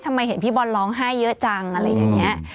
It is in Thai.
เห็นพี่บอลร้องไห้เยอะจังอะไรอย่างนี้